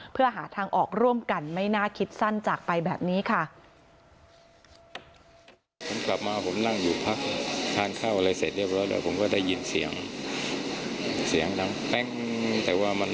เพื่อหาทางออกร่วมกันไม่น่าคิดสั้นจากไปแบบนี้ค่ะ